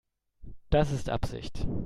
Das ist Absicht.